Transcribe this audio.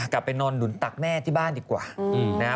กลับไปนอนหนุนตักแม่ที่บ้านดีกว่านะฮะ